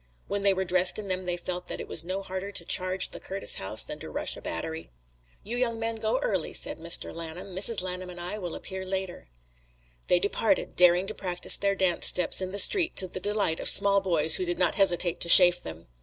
When they were dressed in them they felt that it was no harder to charge the Curtis house than to rush a battery. "You young men go early," said Mr. Lanham. "Mrs. Lanham and I will appear later." They departed, daring to practice their dance steps in the street to the delight of small boys who did not hesitate to chaff them.